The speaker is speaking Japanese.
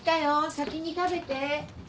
先に食べて。